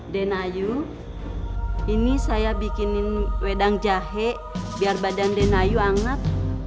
denayu ini saya bikinin wedang jahe biar badan denayu hangat